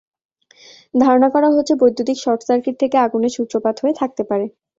ধারণা করা হচ্ছে, বৈদ্যুতিক শর্টসার্কিট থেকে আগুনের সূত্রপাত হয়ে থাকতে পারে।